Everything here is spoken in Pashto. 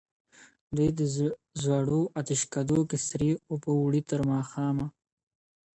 دوی د زړو آتشکدو کي، سرې اوبه وړي تر ماښامه.